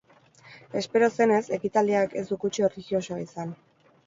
Espero zenez, ekitaldiak ez du kutsu erlijiosoa izan.